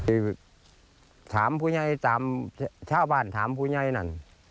ไอถามผู้ไหนถามชาวบ้านถามผู้ไหนนั่น